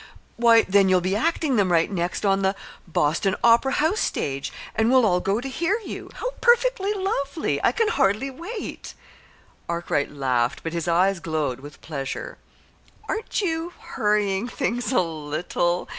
Why, then you'll be acting them next right on the Boston Opera House stage, and we'll all go to hear you. How perfectly lovely! I can hardly wait." Arkwright laughed but his eyes glowed with pleasure. "Aren't you hurrying things a little?"